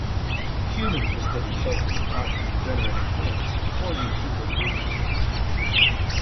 Humans must live in shelters with oxygen-generating plants, or use suitable breathing equipment.